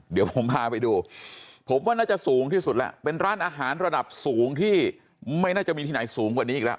เดี๋ยวผมพาไปดูผมว่าน่าจะสูงที่สุดแล้วเป็นร้านอาหารระดับสูงที่ไม่น่าจะมีที่ไหนสูงกว่านี้อีกแล้ว